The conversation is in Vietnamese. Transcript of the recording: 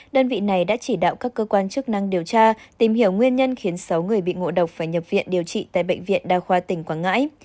đơn vị này đã chỉ đạo các cơ quan chức năng điều tra tìm hiểu nguyên nhân khiến sáu người bị ngộ độc phải nhập viện điều trị tại bệnh viện đa khoa tỉnh quảng ngãi